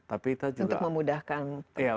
untuk memudahkan transaksi